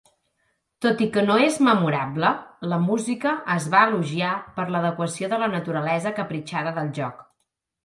Tot i que no és memorable, la música es va elogiar per l'adequació de la naturalesa capritxada del joc.